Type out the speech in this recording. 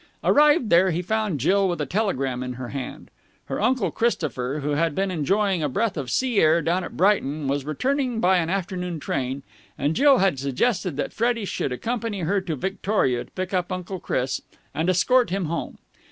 Arrived there, he found Jill with a telegram in her hand. Her Uncle Christopher, who had been enjoying a breath of sea air down at Brighton, was returning by an afternoon train, and Jill had suggested that Freddie should accompany her to Victoria, pick up Uncle Chris, and escort him home.